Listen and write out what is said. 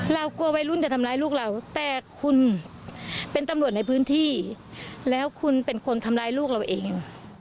กลัววัยรุ่นจะทำร้ายลูกเราแต่คุณเป็นตำรวจในพื้นที่แล้วคุณเป็นคนทำร้ายลูกเราเอง